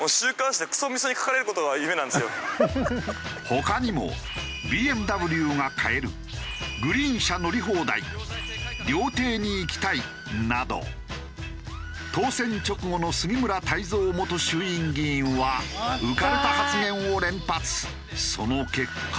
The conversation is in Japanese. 他にも「ＢＭＷが買える」「グリーン車乗り放題」「料亭に行きたい」など当選直後の杉村太蔵元衆院議員はその結果。